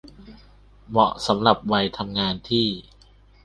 เหมาะสำหรับวัยทำงานที่